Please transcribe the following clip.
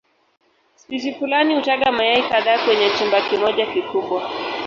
Spishi fulani hutaga mayai kadhaa kwenye chumba kimoja kikubwa.